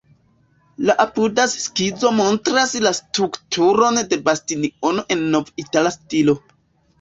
La apudas skizo montras la strukturon de bastiono en "nov-itala stilo".